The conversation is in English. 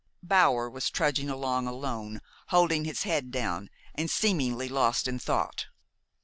Bower was trudging along alone, holding his head down, and seemingly lost in thought.